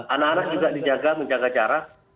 anak anak juga dijaga menjaga jarak